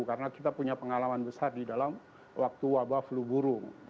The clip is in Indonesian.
karena kita punya pengalaman besar di dalam waktu wabah flu burung